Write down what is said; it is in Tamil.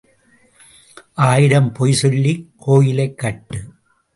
ஆயிரம் பொய் சொல்லிக் கோயிலைக் கட்டு.